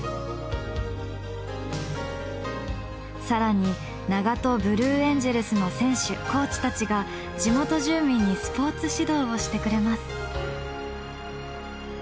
更にながとブルーエンジェルスの選手・コーチたちが地元住民にスポーツ指導をしてくれます。